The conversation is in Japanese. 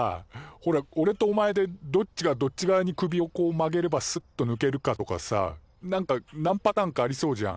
ほらおれとお前でどっちがどっち側に首をこう曲げればスッとぬけるかとかさなんかなんパターンかありそうじゃん。